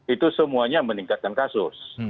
itu semuanya meningkatkan kasus